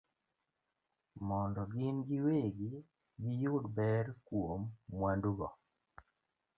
mondo gin giwegi giyud ber kuom mwandugo